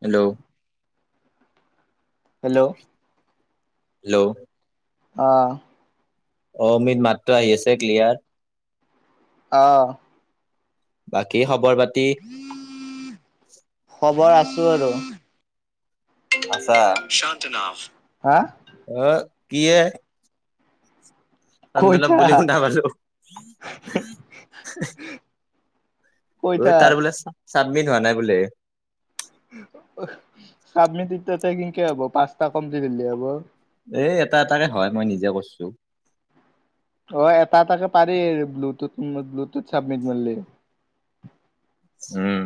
Hello hello hello অ অ মিদ মাতটো আহি আছে ক্লিয়াৰ অ বাকী খবৰ পাতি খবৰ আছো আৰু আছা হা অ কি এ কৈ আন্দলক থাক, বুলি শুনা পালো। কৈ থাক। তাৰ বোলে চাব চাবমিট হোৱা নাই বোলে। চাবমিত এতিয়া তাৰ কিনকে হ'ব পাঁচটা কমপ্লিট হলে হব। এ এটা এটাকে হয় মই নিজে কইছো। অ এটা এটাকে পাৰি ব্লুুটুট ব্লুটুথ চাবমিট মাৰিলে। উম।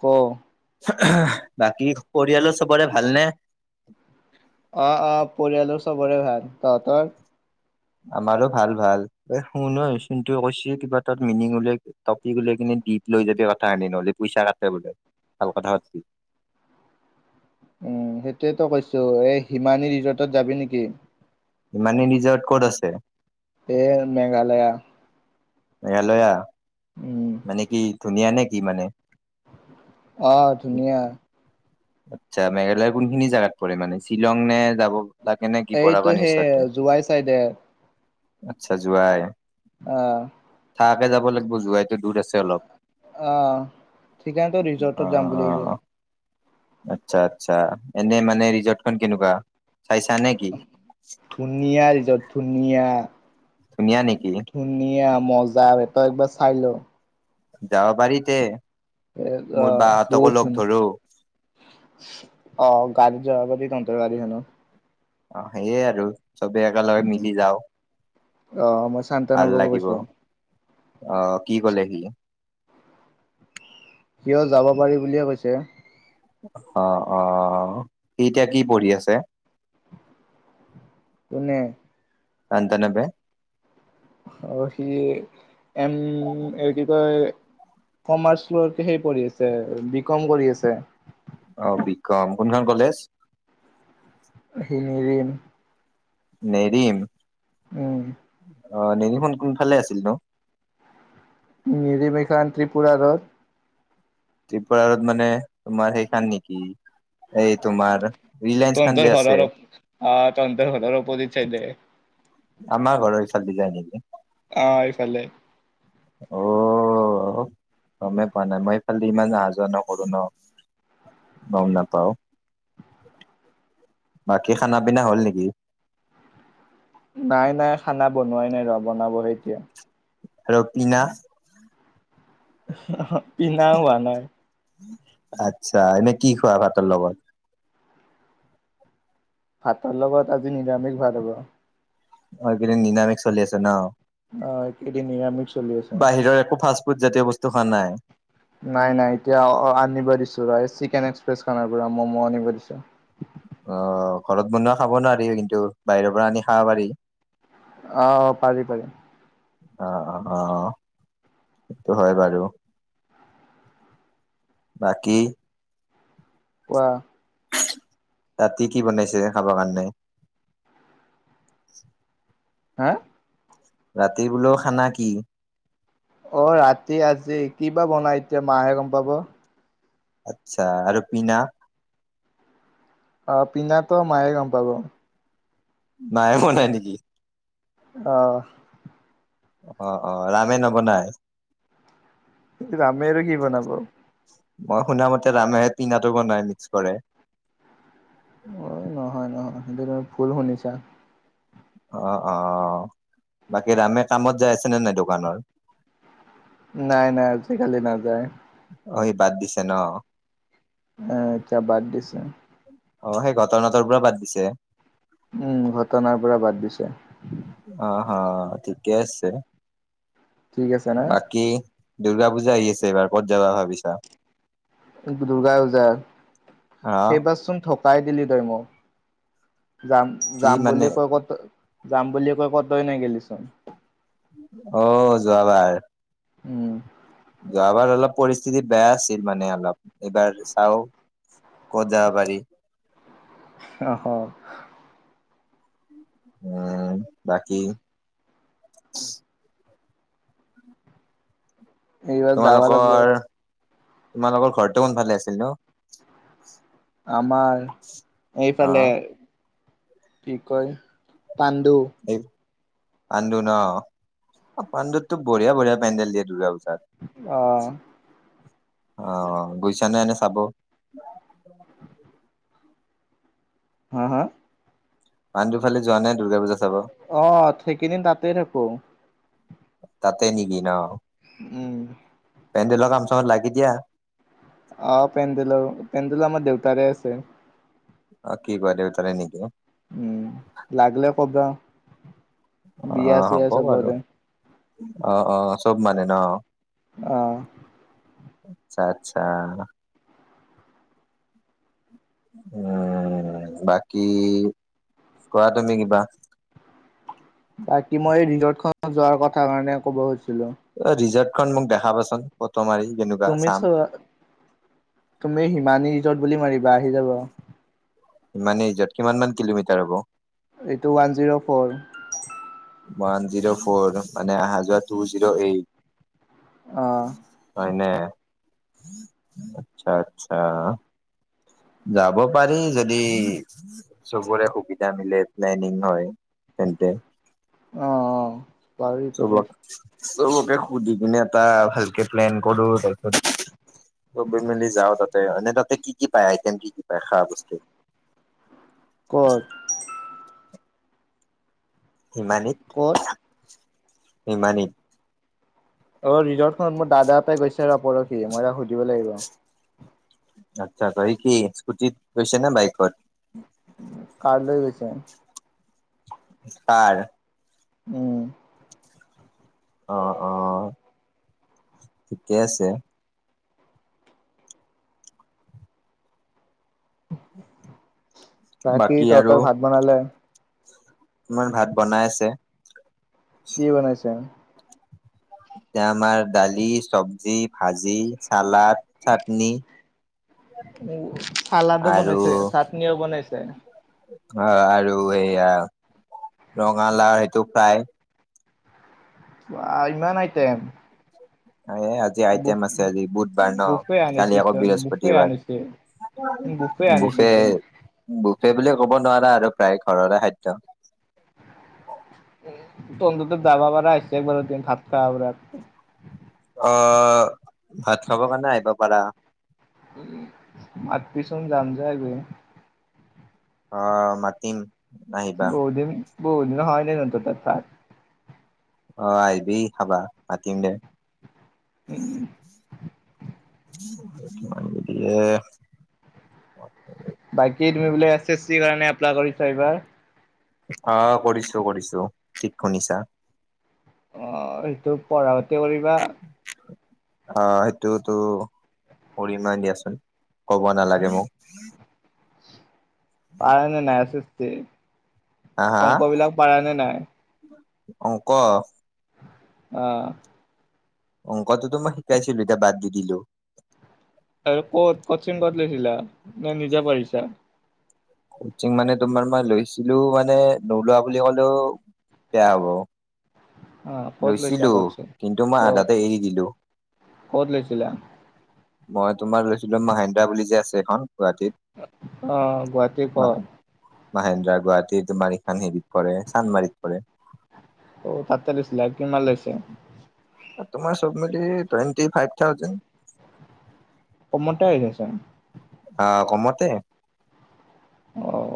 ক বাকী পৰিয়ালৰ চবৰে ভালনে? অ অ পৰিয়ালৰ চবৰে ভাল, তহঁতৰ? আমাৰো ভাল ভাল, এ শুন এই চিনটোৱে কৈছ কিবা তাত মিনিং উলিয়াই টপিক উলিয়াই কিনে দীপ লৈ যাবি কথা আনে নহ'লে পইচা কাটে বোলে ভাল কথা পাটবি। উম সেইটোয়েতো কৈছো এই হিমানী ৰিজৰ্টত যাবি নেকি? হিমানী ৰিজৰট ক'ত আছে? এই মেঘালয়া। মেঘালয়া, উম, মানে কি ধুনীয়া নে কি মানে? অ ধুনীয়া। আচ্ছা মেঘালয়ৰ কোনখিনি জাগাত পৰে মানে শ্বিলং নে যাব লাগে নে কি বৰা এইটো পানীৰ সেই ওচৰতে জোৱাই চাইডে আচ্ছা যোৱাই। অহ। থাকাকে যাব লাগিব যোৱাইটো দূৰ আছে অলপ। অ সেইকাৰণেটো অ ৰিজৰ্টত যাম বুলি ভাবিছো। আচ্ছা আচ্ছা এনে মানে ৰিজৰ্টখন কেনেকুৱা চাইছা নে কি? ধুনীয়া ৰিজত ধুনীয়া। ধুনীয়া নেকি? ধুনীয়া মজা বে তই একবাৰ চাই ল। যাব পাৰিতে, এ অ মোৰ বা বহুত সতকো লগ ধুনীয়া ধৰো। অ গাড়ীত যাব পাৰি তহঁতৰ গাড়ীখনত। অ সেয়ে আৰু। চবেই একেলগে মিলি যাও, অ মই ভাল শান্তনবকো লাগিব। কৈছো অ কি কলে সি? সিও যাব পাৰি বুলিয়ে কৈছে। অ অ সি এতিয়া কি পঢ়ি আছে? কোনে? আন্তানবে? অ সি এম এই কি কয় কমাৰ্চ লৈ সেই পঢ়ি আছে বি কম কৰি আছে। অ বি কম, কোনখন কলেজ? শিঙৰী। নেৰিম। উম। অ নেৰিম খন কোনফালে আছিল নো? নিৰিম এইখন ত্ৰিপুৰা ৰদ। ত্ৰিপুৰাৰ'দ মানে তোমাৰ সেইখন নেকি? এই তোমাৰ ৰিলায়েন্সখান তহঁতৰ যে ঘৰৰ আছে। আহ তহঁতৰ ঘৰৰ অপজিত চাইডে আমাৰ ঘৰৰ ইফালেদি যায় নেকি? অঁ' এইফালে। অঁ' গমে পোৱা নাই, মই সেইফালেদি ইমান অহা যোৱা নকৰো ন। গম নাপাও। বাকী খানা পিনা হ'ল নেকি? নাই নাই খানা বনোৱাই নাই ৰ' বনাবহে এতিয়া। আৰু পিনা? পিনাও হোৱা নাই। আচ্ছা' এনেই কি খোৱা ভাতৰ লগত? ভাতৰ লগত আজি নিৰামিষ ভাত হ'ব। অঁ' এইকেইদিন নিৰামিষ চলি আছে ন' অ এইকেইদিন নিৰামিষ চলি আছে বাহিৰৰ একো ফা ফ্ৰোত জাতীয় বস্তু খোৱা নাই? নাই নাই, এতিয়া আনিব দিছো চিকেন এক্সপ্ৰেছ খনৰ পৰা ম'ম' আনিব দিছো। অঁ' ঘৰত বনোৱা খাব নোৱাৰিবা কিন্তু বাহিৰৰ পৰা আনি খাব পাৰি? অঁ' পাৰি পাৰি। অঁ' অঁ' সেইটো হয় বাৰু। বাকী? কোৱা? ৰাতি কি বনাইছে খাবৰ কাৰণে? হা? ৰাতি বোলো খানা কি? অঁ' ৰাতি আজি কি বা বনাই এতিয়া মাহে গম পাব। আচ্ছা আৰু পিনা? অঁ' পিনাতো মায়ে গম পাব। মায়ে বনাই নেকি? অঁ'। অঁ' অঁ' ৰামে নবনাই? ৰামে আৰু কি বনাব। মই শুনা মতে ৰামেহে পিনাটো বনাই মিক্স কৰে। অঁ' নহয় নহয়, সেইটো তুমি ভুল শুনিছা। অঁ অঁ' বাকী ৰামে কামত যাই আছেনে নাই দোকানৰ? নাই নাই, আজিকালি নাযায়। অঁ সি বাদ দিছে ন'? এ এতিয়া বাদ দিছে। অঁ' সেই ঘটনাটোৰ পৰা বাদ দিছে? উমঁ' ঘটনাৰ পৰা বাদ দিছে। অঁ' হা, ঠিকে আছে, ঠিক আছে না বাকি। দুৰ্গা পূজা আহি আছে এবাৰ ক'ত যাবা ভাবিছা? দুৰ্গা পূজা, হা এইবাচোন থ খাই দিলি তই মোক, যাম কি যাম মানে বুলি কৈ ক'ত যাম বুলি কৈ ক'ত তই নগলিচোন। অঁ' যোৱাবাৰ। উমঁ'। যোৱাবাৰ অলপ পৰিস্থিতি বেয়া আছিল মানে অলপ এইবাৰ চাওঁ। কত যাব পাৰি। অ অ। অ বাকি - এইবাৰ যাবা লাগব তোমালোকৰ তোমালোকৰ ঘৰটো কোন ফালে আছিল নো? আমাৰ এইফালে অ' কি কয় পাণ্ডু। এই পাণ্ডু ন পাণ্ডুততো বঢ়িয়া বঢ়িয়া পেণ্ডেল দিয়ে দুৰ্গা পূজাত। অ। অ, গৈছা নে এনেই চাব? হা হা? পাণ্ডু ফালে যোৱা নে দুৰ্গা পুজা - অ সেইকেইদিন তাতেই থাকো। তাতে নেকি ন? উম। পেন্ডেলৰ কাম চামত লাগি দিয়া? আহ পেন্ডেলৰো পেন্ডেলো আমাৰ দেউতাৰে আছে। অ কি কয় দেউতাৰে নেকি? উম, লাগিলে ক'বা বিয়া অ' চিয়া হ'ব বাৰু। চবতে। অ অ চব মানে ন? অ। আচ্ছা আচ্ছা। উম, বাকী কোৱা তুমি কিবা। বাকী মই এই ৰিজাৰ্ভখনৰ যোৱাৰ কথা কাৰণে ক'ব খুজিছিলো। ৰিজৰ্টখন মোক দেখাবাচোন ফটো মাৰি কেনেক- তুমি চোৱা, তুমি হিমানী ৰিজৰ্ট বুলি মাৰিবা আহি যাব। হিমানী ৰিজৰ্ট, কিমান মান কিলোমিটাৰ হ'ব? এইটো one zero four. One zero four মানে অহা যোৱা টু জিৰ' এইট। অ হয় নে, আচ্ছা আচ্ছা। যাব পাৰি যদি - চবৰে সুবিধা মিলে প্লেনিং হয় তেন্তে। অ অ। পাৰি পাৰি চবক চবকে সুধি কিনে এটা ভালকে প্লেন কৰো তাৰ পিছত - চবেই মিলি যাওঁ তাতে। এনেই তাতে কি কি পায় আইটেম কি কি পায় খোৱা বস্তু? কত? হিমানীত? ক'ত? হিমানীত? অ ৰিজৰ্টখনত মোৰ দাদা এটা গৈছে ৰ পৰখি মই তাক সুধিব লাগিব। আচ্ছা, ত সি কি স্কুটিত গৈছে নে বাইকত? কাৰ লৈ গৈছে। কাৰ? উম। অ অ, ঠিকেই আছে। বাকী তহঁতৰ ভাত বনালে? মায়ে ভাত বনাই আছে। কি বনাইছে? এতিয়া আমাৰ দালি, চবজি, ভাজি, চালাড, চাটনি অ চালাদো বনাইছে চাটনিও বনাইছে আ আৰু এয়া ৰঙালাও সেইটো ফ্ৰাই বাআ ইমান আইটেম এ আজি আইটেম আছে আজি বুধবাৰ ন বুফে কালি আনিছে আকৌ বুফে বৃহস্পতিবাৰ আনিছে আনিছে বুফে চোন বুফে বুলি ক'ব নোৱাৰা আৰু প্ৰায় ঘৰৰে খাদ্য এটো অন্তত্ব দাবা বাৰা আইছে একবাৰ দিন ভাত খাৱাবোৰক অ ভাত খাব কাৰণে আহিব পাৰা মাতবি চোন যাম যাই গৈকেনে অ মাতিম আহিবা বহু দিন বহুদিন হয় নে নাই তহঁতৰ তাত অ আইবি খাবা মাতিম দে মানু দিয়ে বাকী তুমি বোলে এছ এছ চিৰ কাৰণে এপ্লাই কৰিছা এইবাৰ অ কৰিছো কৰিছো ঠিক শুনিছা অ সেইটো পঢ়া পাতি কৰিবা অ সেইটোতো পৰিমেই দিয়াচোন ক'ব নালাগে মোক পাৰা নে নাই এচ এচ টি হা হা অংক বিলাক পাৰা নে নাই অংক অ অংকটোতো মই শিকাইছিলো এতিয়া বাদ দি দিলো আৰু ক'ত কোচিং কত লৈছিলা নে নিজে পঢ়িছা কচিং মানে তোমাৰ মই লৈছিলো মানে নোলোৱা বুলি ক'লেও বেয়া হব অ ক'ত লৈছা লৈছিলো কচিং কিন্তু ক'ত মই আধাতে এৰি দিলো ক'ত লৈছিলা মই তোমাৰ লৈছিলো মাহেন্দ্ৰা বুলি যে আছে এখন গুৱাহাটীত অ গুৱাহাটীৰ কৰ মাহেন্দ্ৰা গুৱাহাটীত তোমাৰ ইখান হেৰিত পৰে চানমাৰীত পৰে অ তাতে লৈছিলা কিমান লৈছে তোমাৰ চব মিলি টুৱেণ্টি ফাইভ থাউজেণ্ড কমতে হৈছেচন আ কমতে অঁ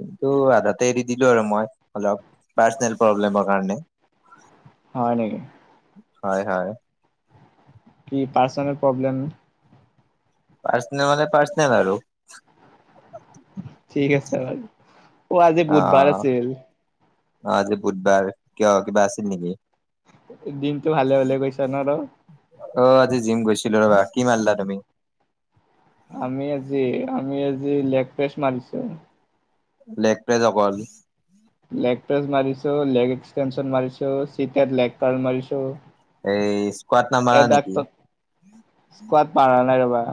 কিন্তু আধাতে এৰি দিলো আৰু মই অলপ পাৰ্চেনেল প্ৰব্লেমৰ কাৰণে [unintelligible] হয় নিকি হয় হয় কি পাৰ্চেনেল প্ৰব্লেম পাৰ্চেনেল মানে পাৰ্চেনেল আৰু ঠিক আছে বাৰু আজি অ বুধবাৰ অ অ আছিল আজি বুধবাৰ কিয় কিবা আছিল নিকি দিনটো ভালে হলে গৈছে ন আৰ অ আজি জিম গৈছিলো ৰবা কি মাৰলা তুমি আমি আজি আমি আজি লেগ পেচ মাৰিছো লেগপেজ অকল লেগ প্ৰেচ মাৰিছো লেগ এক্সটেনশন মাৰিছো চিতে লেগ কাৰ্ মিৰিছো। এই স্কোৱাড নামাৰা নেকি? স্কোৱাত পাৰা নাই ৰ'বা।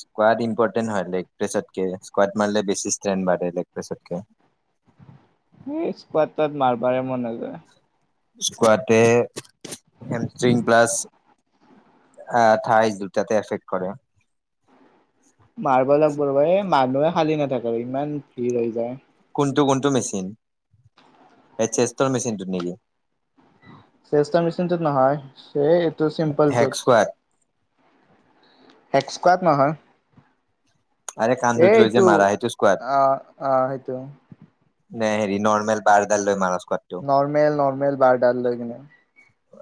স্কোৱাড ইম্পৰ্টেণ্ট হয় লেগ প্ৰেছতকে স্কোৱাড মাৰে বেছি ষ্ট্ৰেন বাঢ়ে লেগ প্ৰেছতকে। সেই স্কাৱাত মাৰবা ৰে মন নাযায়। স্কোৱাতে হেমষ্ট্ৰিং প্লাছ আহ ঠাইজ দুটাতে এফেক্ট কৰে। মাৰবা লাগবো ৰবা এ মানুহে খালী নাথাকে ইমান ভিৰ হৈ যায়। কোনটো কোনটো মেচিন? এই চেষ্টৰ মেচিনটো নেকি? চেষ্টৰ মেচিনটোত নহয় এইটো চিম্পলটোত হেগস্কোৱাট হেগস্কোৱাট নহয়। আৰে কান্ধুত লৈ যে এইটো মাৰা সেইটো স্কোৱাড অ অ সেইটো। নে হেৰি নৰ্মেল বাৰডাল লৈ মাৰা স্কুৱাত। নৰ্মেল নৰ্মেল বাৰ ডাল লৈ কিনে।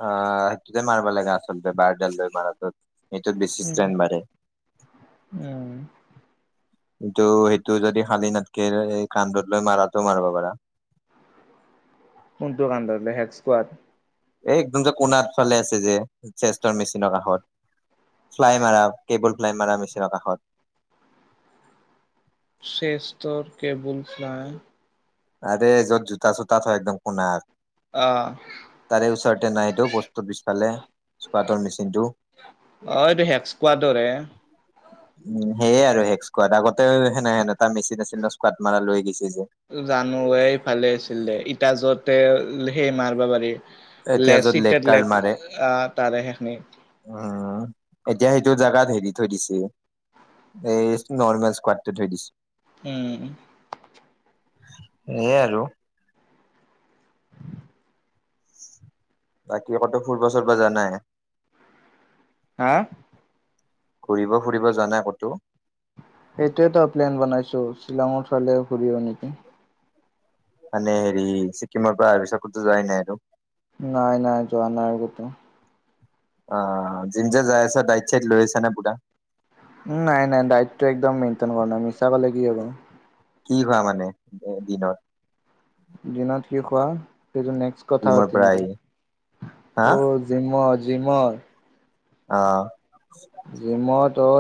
আহ সেইটোতে মাৰিব লাগে আচলতে বাৰডাল মাৰাটোত এইটোত বেছি উম। ট্ৰেন বাঢ়ে। উম। কিন্তু সেইটো যদি শালি নাথকে কান্ধত লৈ মাৰাটো মাৰিব পাৰা। কোনটো কানধত লয় হেটস্কোৱাত? এই একদম যে কোণাত ফালে আছে যে চেষ্টৰ মেচিনৰ কাষত, ফ্লাই মাৰা কেবল ফ্লাই মাৰা মেছিনৰ কাষত। চেষ্টতৰ কেবুল ফ্লাই। আৰে য'ত জোতা চোতা থয় একদম কোনাত। অহ। তাৰে ওচৰতে নাইটো পষ্ট অফিচ খালে স্কুৱাতৰ মেচিনটো। অহ এইটো হেক্স স্কোৱাতৰ হে। উম সেয়ে আৰু হেক্সস্কোৱাত আগতেও সেনে সেন তাৰ মেচিন আছিল ন স্কোৱাাদ মাৰা লৈ গৈছে যে। জানো এইফালে আছিলে ইটাজতে সেই মাৰিব পাৰি। এতিয়া য'ত লেগ লেচিতেক কাৰ্ড মাৰে আহ তাৰে সেইখিনি। উম এতিয়া সেইটো জোগাত হেৰি থৈ দিছে এই নৰ্মেল স্কোৱাতটো থৈ দিছে। উম। সেয়ে আৰু বাকী কতো ফুৰিব চুৰিব যোৱা নাই? হা ঘূৰিব ফুৰিব যোৱা নাই ক'তো? এইটোৱেটো প্লেন বনাইছো শ্বিলাঙৰ ফালে ঘূৰিব নেকি। মানে হেৰি ছিক্কিমৰ পৰা অহা পাছত কটো যোৱ নাই আৰু। নাই নাই যোৱা নাই কটো। অ জিম্ যে যাই আছে দাইত চাইত লৈ আছ নে পুৰা? নাই নাই ডাইটটো একদম মেইনটেইন কৰা নাই মিছা কালে কি হ'ব। কি খোৱা মানে এ দিনত? দিনত কি খোৱা সেইটো নেক্স কথা জিমৰ পাতিম পৰা দে আহি হা অ জিমৰ জিমৰ। অহ। জিমত অ।